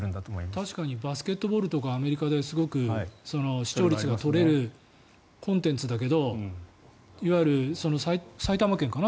確かにバスケットボールとかアメリカで視聴率が取れるコンテンツだけどいわゆる埼玉県かな。